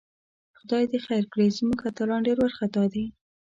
خدای دې خیر کړي، زموږ اتلان ډېر وارخطاء دي